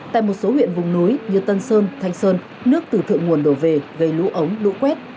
tại một số huyện vùng núi như tân sơn thanh sơn nước từ thượng nguồn đổ về gây lũ ống lũ quét